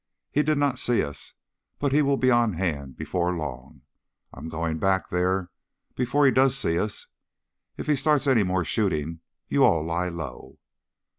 He did not see us, but he will be on hand before long. I'm going back there before he does see us. If he starts any more shooting you all lie low."